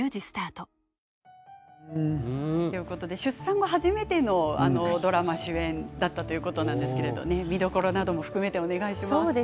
出産後初めてのドラマ主演だったということなんですけれど、見どころなども含めてお願いします。